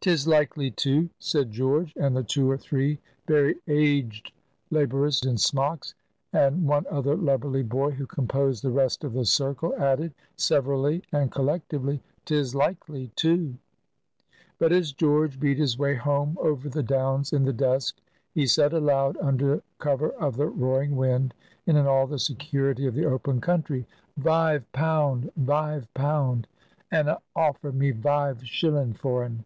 "'Tis likely, too," said George. And the two or three very aged laborers in smocks, and one other lubberly boy, who composed the rest of the circle, added, severally and collectively, "'Tis likely, too." But, as George beat his way home over the downs in the dusk, he said aloud, under cover of the roaring wind, and in all the security of the open country,— "Vive pound! vive pound! And a offered me vive shilling for un.